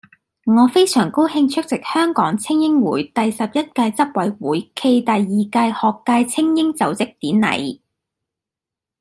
我非常高興出席香港菁英會第十一屆執委會暨第二屆學界菁英就職典禮